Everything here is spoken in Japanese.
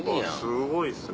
すごいですね。